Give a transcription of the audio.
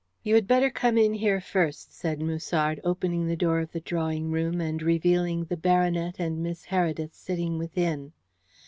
"You had better come in here first," said Musard, opening the door of the drawing room and revealing the baronet and Miss Heredith sitting within.